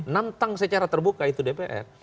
nantang secara terbuka itu dpr